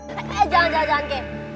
eh eh eh jangan jangan jangan kei